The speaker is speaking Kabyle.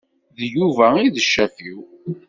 D Yuba i d ccaf-iw.